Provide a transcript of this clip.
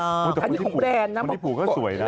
อันนี้มุงแดนนะคนที่ผูกก็สวยนะ